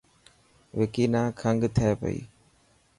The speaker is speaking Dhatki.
وڪي نا کنگ ٿي پئي .